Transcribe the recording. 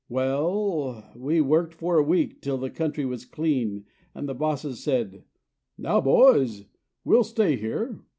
Well, we worked for a week till the country was clean And the bosses said, "Now, boys, we'll stay here.